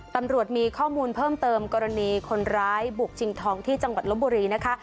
ตำรวจมีข้อมูลเพิ่มเติมกรณีคนร้ายบุกชิงทองที่จังหวัดลบบุรีนะคะ